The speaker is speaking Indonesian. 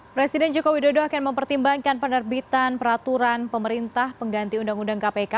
presiden joko widodo akan mempertimbangkan penerbitan peraturan pemerintah pengganti undang undang kpk